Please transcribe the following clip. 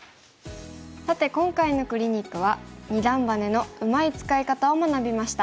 さて今回のクリニックは二段バネのうまい使い方を学びました。